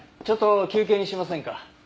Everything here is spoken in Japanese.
ちょっと休憩にしませんか？